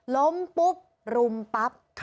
ล้มปุ๊บรุมปั๊บ